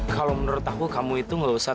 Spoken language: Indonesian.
kalo menurut aku kamu itu gak usah terlalu keras